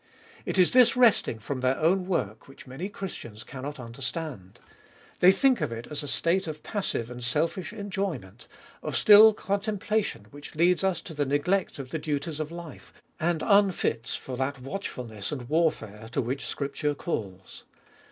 It is this resting from their own work which many Christians cannot understand. They think of it as a state of passive and selfish enjoyment, of still contemplation which leads to the neglect of the duties of life, and unfits for that watchfulness and warfare to which Scripture calls.